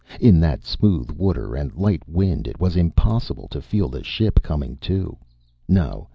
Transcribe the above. In that smooth water and light wind it was impossible to feel the ship coming to. No!